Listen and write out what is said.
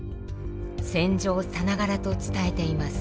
戦場さながらと伝えています。